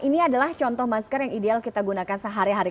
ini adalah contoh masker yang ideal kita gunakan sehari hari